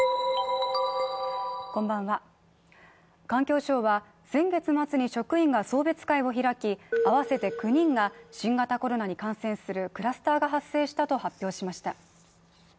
環境省は先月末に職員が送別会を開き、合わせて９人が新型コロナに感染するクラスターが発生したと発表しました。